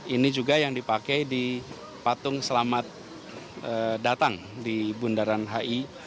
ini juga yang dipakai di patung selamat datang di bundaran hi